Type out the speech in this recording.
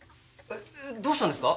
どうしたんですか？